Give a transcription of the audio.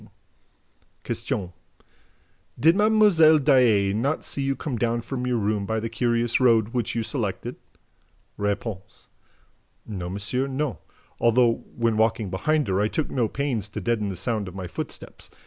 "Did Mlle. Daae not see you come down from your room by the curious road which you selected?" R. "No, monsieur, no, although, when walking behind her, I took no pains to deaden the sound of my footsteps.